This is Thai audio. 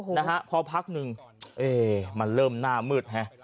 นะฮะพอพักหนึ่งเอ๊มันเริ่มหน้ามืดฮะ